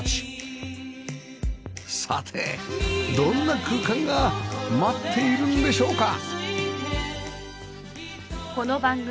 さてどんな空間が待っているんでしょうか？